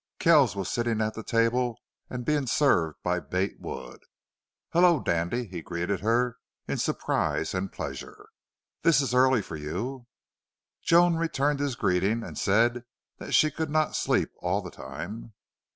Kells was sitting at the table and being served by Bate Wood. "Hello, Dandy!" he greeted her, in surprise and pleasure. "This's early for you." Joan returned his greeting and said that she could not sleep all the time.